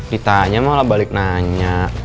ditanya malah balik nanya